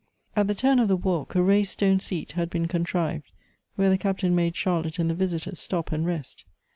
At the turn of the walk, a r.aised stone seat had been contrived, where the Captain made Charlotte and the visitors stop and rest.